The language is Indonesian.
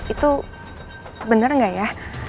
itu bener nggak ya